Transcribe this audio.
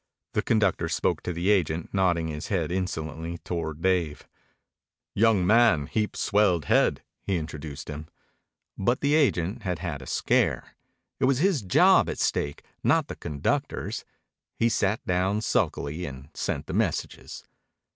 The conductor spoke to the agent, nodding his head insolently toward Dave. "Young man heap swelled head," he introduced him. But the agent had had a scare. It was his job at stake, not the conductor's. He sat down sulkily and sent the messages.